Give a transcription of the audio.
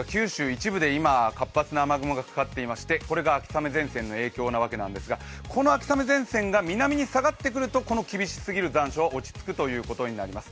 一部、今、活発な雨雲がかかっていまして、これが秋雨前線の影響なんですがこの秋雨前線が南に下がってくるとこの厳しすぎる残暑がおさまってきます。